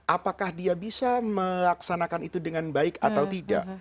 apakah dia bisa melaksanakan itu dengan baik atau tidak